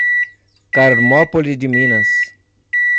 Carmópolis de Minas